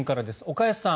岡安さん